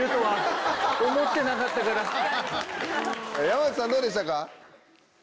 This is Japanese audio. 山内さんどうでしたか？